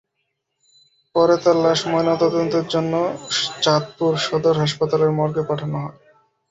পরে তাঁর লাশ ময়নাতদন্তের জন্য চাঁদপুর সদর হাসপাতালের মর্গে পাঠানো হয়।